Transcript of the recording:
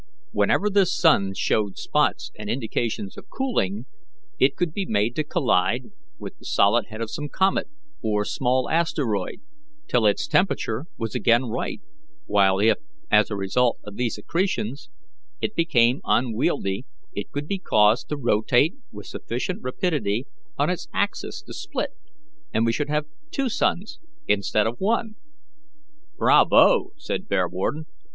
Whenever this sun showed spots and indications of cooling, it could be made to collide with the solid head of some comet, or small asteroid, till its temperature was again right; while if, as a result of these accretions, it became unwieldy, it could be caused to rotate with sufficient rapidity on its axis to split, and we should have two suns instead of one." "Bravo!" said Bearwarden.